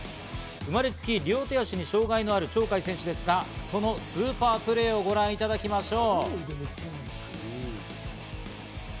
生まれつき両手足に障害のある鳥海選手ですが、そのスーパープレーをご覧いただきましょう。